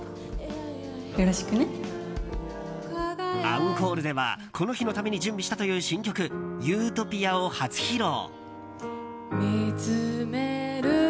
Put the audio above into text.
アンコールではこの日のために準備したという新曲「ｕｔｏｐｉａ」を初披露。